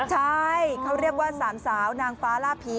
ใช่เขาเรียกว่าสามสาวนางฟ้าล่าผี